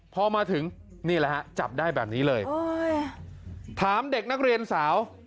พอมาถึงนี่แหละฮะจับได้แบบนี้เลยถามเด็กนักเรียนสาว